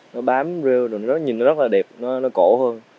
nó bám rêu rồi nó nhìn nó rất là đẹp nó cổ hơn